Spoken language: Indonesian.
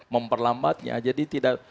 memperlambatnya jadi tidak